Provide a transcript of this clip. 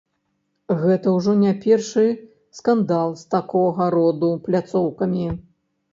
Гэта ўжо не першы скандал з такога роду пляцоўкамі.